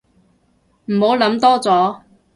唔好諗多咗